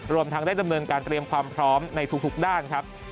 รวมทั้งได้ดำเนินการเตรียมความพร้อมในทุกด้านครับ